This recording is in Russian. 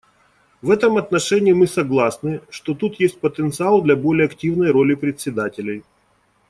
В этом отношении мы согласны, что тут есть потенциал для более активной роли председателей.